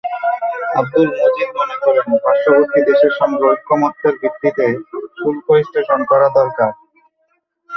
আবদুল মজিদ মনে করেন, পার্শ্ববর্তী দেশের সঙ্গে ঐকমত্যের ভিত্তিতে শুল্ক স্টেশন করা দরকার।